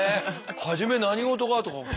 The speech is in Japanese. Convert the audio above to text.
初め何事かとかねえ